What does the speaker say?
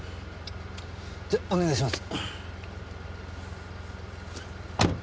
じゃお願いします。